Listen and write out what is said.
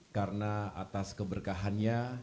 karena atas keberkahannya